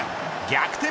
逆転